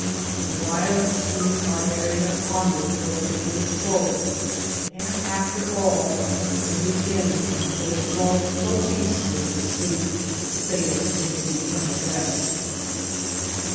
The wild seas are bearing us onward towards the hated foe, and after all in the end they lull so peacefully to sleep the sailor in his eternal rest.